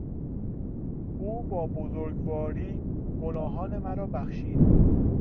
او با بزرگواری گناهان مرا بخشید.